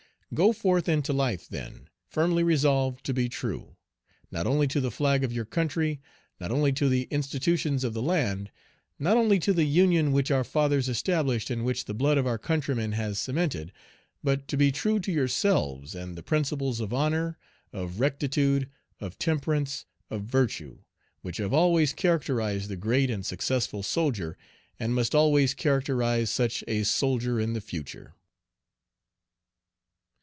Go forth into life, then, firmly resolved to be true, not only to the flag of your country, not only to the institutions of the land, not only to the Union which our fathers established, and which the blood of our countrymen has cemented, but to be true to yourselves and the principles of honor, of rectitude, of temperance, of virtue, which have always characterized the great and successful soldier, and must always characterize such a soldier in the future.